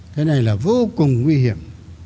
cái này là vô cùng nguy hiểm